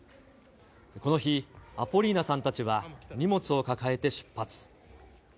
この日、アポリーナさんたちは、荷物を抱えて出発。